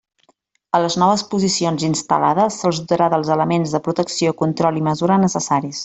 A les noves posicions instal·lades se'ls dotarà dels elements de protecció, control i mesura necessaris.